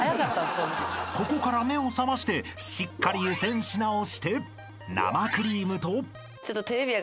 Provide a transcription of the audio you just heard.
［ここから目を覚ましてしっかり湯煎し直して生クリームと］